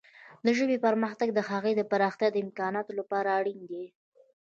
د ژبې پرمختګ د هغې د پراختیا د امکاناتو لپاره اړین دی.